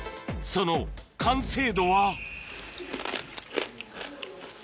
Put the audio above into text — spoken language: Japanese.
その完成度は？